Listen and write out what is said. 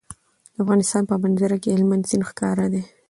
د افغانستان په منظره کې هلمند سیند ښکاره ده.